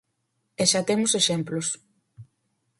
E xa temos exemplos.